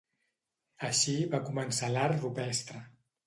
Així va començar l'art rupestre.